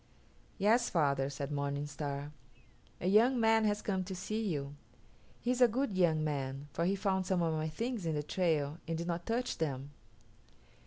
"Yes, father," said Morning Star, "a young man has come to see you. He is a good young man, for he found some of my things in the trail and did not touch them."